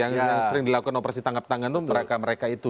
yang sering dilakukan operasi tangkap tangan itu mereka mereka itu